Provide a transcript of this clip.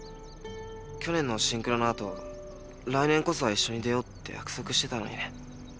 去年のシンクロの後来年こそは一緒に出ようって約束してたのにね。